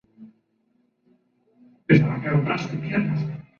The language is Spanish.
Puede manifestarse que lo percibido carece de "vida" y de tono emocional.